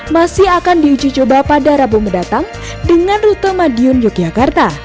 masih akan diuji coba pada rabu mendatang dengan rute madiun yogyakarta